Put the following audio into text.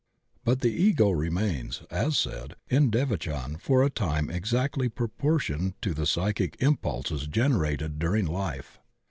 But the Ego remains, as said, in devachan for a time exactly proportioned to the psy chic impulses generated during life.